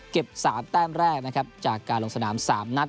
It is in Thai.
๓แต้มแรกนะครับจากการลงสนาม๓นัด